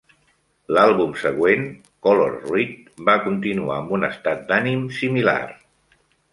L'àlbum següent, Color Rit, va continuar amb un estat d'ànim similar.